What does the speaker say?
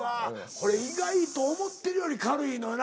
これ意外と思ってるより軽いのよな。